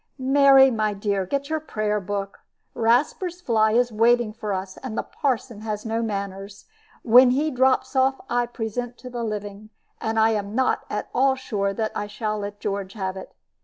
"Mary, my dear, get your prayer book. Rasper's fly is waiting for us, and the parson has no manners. When he drops off, I present to the living; and I am not at all sure that I shall let George have it.